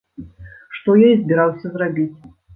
Што я і збіраўся зрабіць.